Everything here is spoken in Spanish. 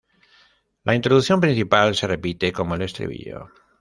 La introducción principal se repite, como el estribillo.